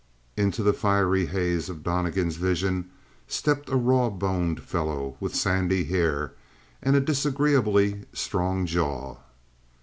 Into the fiery haze of Donnegan's vision stepped a raw boned fellow with sandy hair and a disagreeably strong jaw.